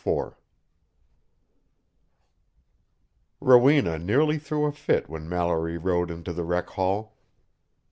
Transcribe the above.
IV Rowena nearly threw a fit when Mallory rode into the rec hall.